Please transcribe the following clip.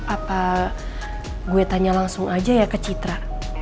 apa gue tanya langsung aja ya ke citra